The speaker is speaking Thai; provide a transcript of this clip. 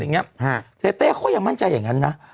อะไรอย่างนี้เต้นเต้นค่อยอย่างมั่นใจอย่างนั้นนะ